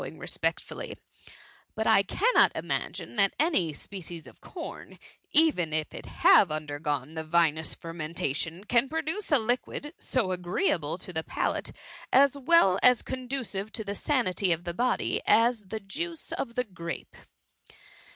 167 ing respectfully, '^ but I cannot imagine that any species of corn, even if it have undergone the vinous fermentation, can produce a liquid so agreeable to the palate, as well as conducive to the sanity of the body, as the* juice of the grape."